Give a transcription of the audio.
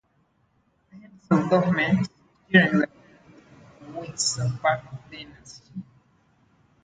The heads of government during the period of the Wittelsbach dynasty.